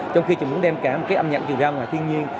trong khi trường muốn đem cả cái âm nhạc trường ra ngoài thiên nhiên